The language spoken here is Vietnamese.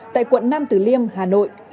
tại quận năm từ liêm hà nội